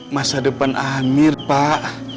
masa depan amir pak